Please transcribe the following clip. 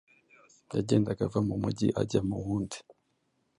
Yagendaga ava mu mujyi ajya mu wundi,